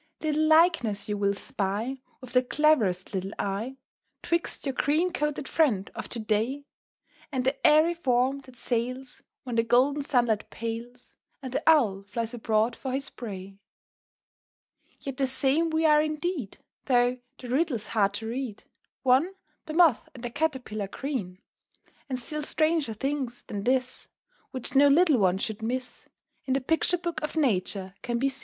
_"] Little likeness you will spy, With the cleverest little eye, 'Twixt your green coated friend of to day And the airy form that sails When the golden sunlight pales, And the owl flies abroad for his prey. [Illustration: "And my Chrysalis I enter rather loth."] Yet the same we are indeed, Though the riddle's hard to read, One, the Moth and the Caterpillar green; And still stranger things than this, Which no little one should miss, In the Picture Book of Nature can be seen.